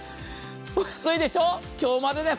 お安いでしょ、今日までです。